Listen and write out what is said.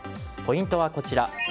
ポイントはこちら。